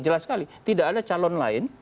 jelas sekali tidak ada calon lain